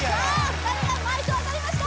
２人がマイクを取りました